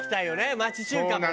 町中華もね。